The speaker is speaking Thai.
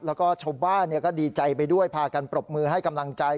แล้วก็ชาวบ้านก็ดีใจไปด้วยพากันปรบมือให้กำลังใจ